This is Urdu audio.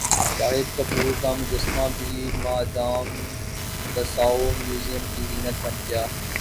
شاہد کپور کا مجسمہ بھی مادام تساو میوزم کی زینت بن گیا